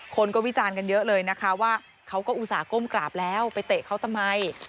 คนก็วิจารณ์กันเยอะเลยนะคะว่าเขาก็อุตส่าหก้มกราบแล้วไปเตะเขาทำไม